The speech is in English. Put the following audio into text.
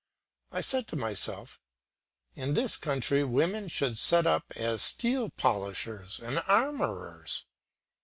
I said to myself, "In this country women should set up as steel polishers and armourers."